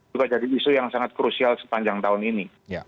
juga jadi isu yang sangat krusial sepanjang tahun ini